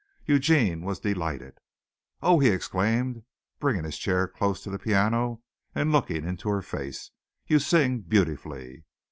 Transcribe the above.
Eugene was delighted. "Oh," he exclaimed, bringing his chair close to the piano and looking into her face, "you sing beautifully."